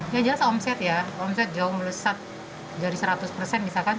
ya jelas omset ya omset jauh melesat dari seratus persen misalkan